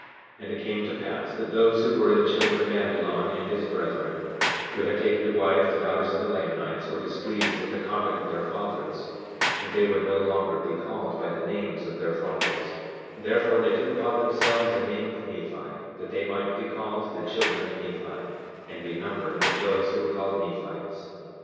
25:12 And it came to pass that those who were the children of Amulon and his brethren, who had taken to wife the daughters of the Lamanites, were displeased with the conduct of their fathers, and they would no longer be called by the names of their fathers, therefore they took upon themselves the name of Nephi, that they might be called the children of Nephi and be numbered among those who were called Nephites.